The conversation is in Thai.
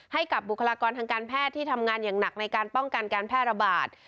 ให้กับบุคลากรทางการแพทย์ที่ทำงานอย่างหนักในการป้องกันการแพร่ระบาด